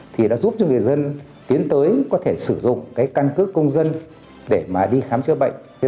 thì đã giúp cho người dân tiến tới có thể sử dụng cái căn cước công dân để mà đi khám chữa bệnh